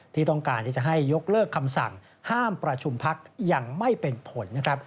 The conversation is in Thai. ที่ต้องการที่จะให้ยกเลิกคำสั่งห้ามประชุมพักยังไม่เป็นผลนะครับ